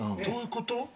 どういうこと？